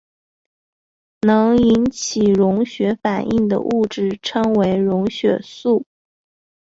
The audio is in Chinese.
能引起溶血反应的物质称为溶血素。